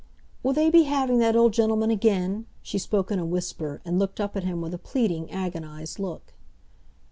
"Will they be having that old gentleman again?" she spoke in a whisper, and looked up at him with a pleading, agonised look.